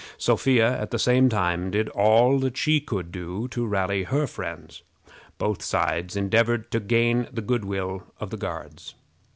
Sophia, at the same time, did all that she could do to rally her friends. Both sides endeavored to gain the good will of the Guards.